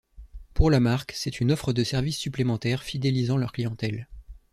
Pour la marque, c'est une offre de service supplémentaire fidélisant leur clientèle.